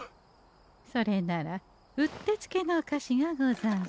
それならうってつけのお菓子がござんす。